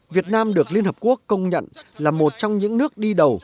việt nam được liên hợp quốc công nhận là một trong những nước đi đầu